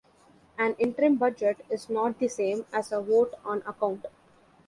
An "Interim Budget" is not the same as a 'Vote on Account'.